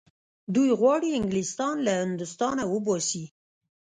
دوی غواړي انګلیسیان له هندوستانه وباسي.